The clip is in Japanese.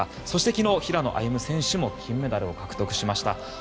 そして、昨日、平野歩夢選手も金メダルを獲得しました。